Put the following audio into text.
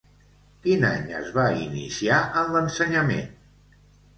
Quin any es va iniciar en l'ensenyament?